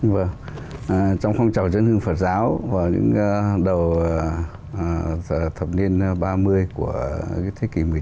vâng trong phong trào trấn hương phật giáo vào những đầu thập niên ba mươi của thế kỷ này